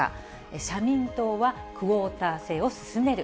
社民党はクオータ制を進める。